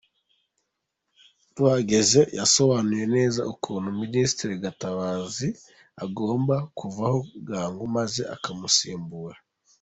Tuhageze yasobanuye neza ukuntu Ministre Gatabazi agomba kuvaho bwangu, maze akamusimbura.